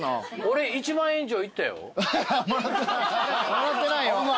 もらってないよ。